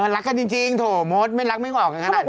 รักกันจริงโถมดไม่รักไม่ออกกันขนาดนี้